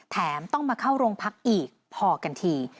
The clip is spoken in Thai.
แถมต้องมาเข้าโรงพักอีกพอกันที